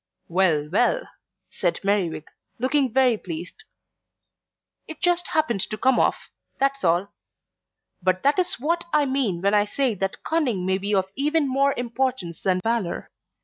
"Well, well," said Merriwig, looking very pleased. "It just happened to come off, that's all. But that is what I mean when I say that cunning may be of even more importance than valour.